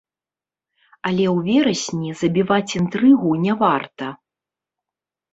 Але ў верасні забіваць інтрыгу не варта.